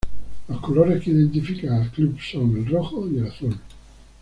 Los colores que identifican al club son el rojo y el azul.